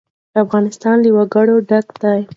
افغانستان له وګړي ډک دی.